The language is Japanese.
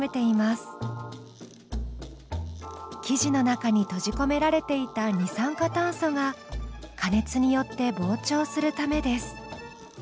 生地の中に閉じ込められていた二酸化炭素が加熱によって膨張するためです。